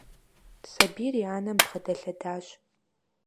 Сабийр и анэм бгъэдэлъэдащ.